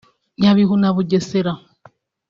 Nyabihu na Bugesera